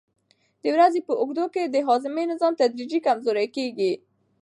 د ورځې په اوږدو کې د هاضمې نظام تدریجي کمزوری کېږي.